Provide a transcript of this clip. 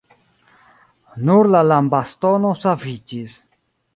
Nur la lambastono saviĝis.